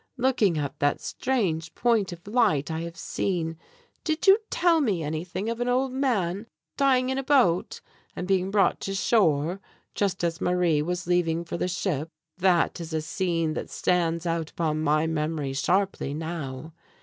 Looking at that strange point of light I have seen, did you tell me anything of an old man dying in a boat and being brought to shore just as Marie was leaving for the ship? That is a scene that stands out upon my memory sharply now.